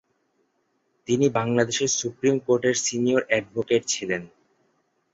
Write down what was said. তিনি বাংলাদেশের সুপ্রিম কোর্টের সিনিয়র অ্যাডভোকেট ছিলেন।